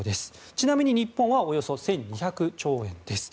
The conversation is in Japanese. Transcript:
ちなみに日本はおよそ１２００兆円です。